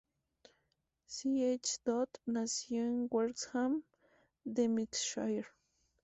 C. H. Dodd nació en Wrexham, Denbighshire.